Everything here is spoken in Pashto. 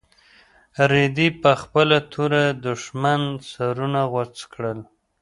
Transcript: رېدي په خپله توره د دښمن سرونه غوڅ کړل.